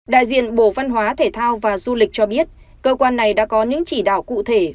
đại diện bộ văn hóa thể thao và du lịch cho biết cơ quan này đã có những chỉ đạo cụ thể